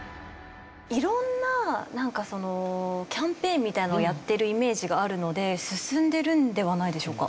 色んななんかそのキャンペーンみたいなのをやっているイメージがあるので進んでいるのではないでしょうか？